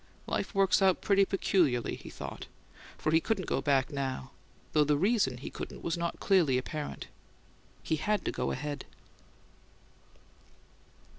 "Life works out pretty peculiarly," he thought; for he couldn't go back now, though the reason he couldn't was not clearly apparent. He had to go ahead.